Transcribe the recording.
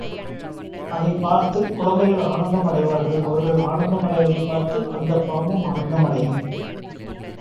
அதைப் பார்த்துக் குழந்தைகள் ஆனந்தம் அடைவார்கள் அவர்கள் ஆனந்தம் அடைவதைப் பார்த்து அந்தப் பாம்பும் ஆனந்தமடையும்.